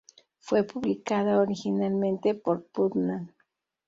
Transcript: Fue publicada originalmente por Putnam.